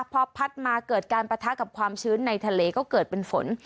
พอพัดมาเกิดการปะทะกับความชื้นในทะเลก็เกิดเป็นฝน